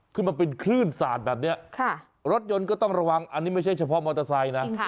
คือมันเป็นคลื่นสาดแบบนี้รถยนต์ก็ต้องระวังอันนี้ไม่ใช่เฉพาะมอเตอร์ไซค์นะ